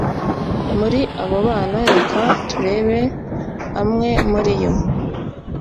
muri abo bana Reka turebe amwe muri yo